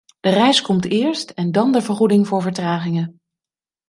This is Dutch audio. De reis komt eerst en dan de vergoeding voor vertragingen.